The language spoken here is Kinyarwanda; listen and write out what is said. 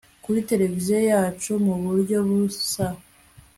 kuri tereviziyo yacu mu buryo busa